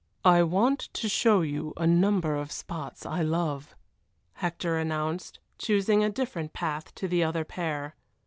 "I want to show you a number of spots I love," Hector announced, choosing a different path to the other pair.